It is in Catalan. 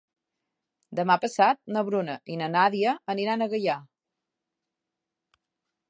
Demà passat na Bruna i na Nàdia aniran a Gaià.